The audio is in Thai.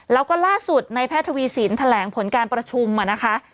แล้วก็ล่าสุดในแพทย์ทวีสินแถลงผลการประชุมนะคะ